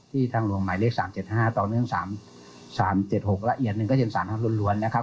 ทางหลวงหมายเลข๓๗๕ต่อเนื่อง๓๗๖ละเอียดหนึ่งก็เย็น๓ทางล้วนนะครับ